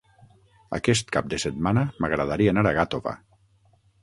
Aquest cap de setmana m'agradaria anar a Gàtova.